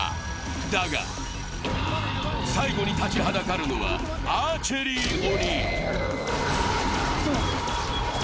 だが、最後に立ちはだかるのは、アーチェリー鬼。